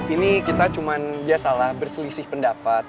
ini kita cuma biasalah berselisih pendapat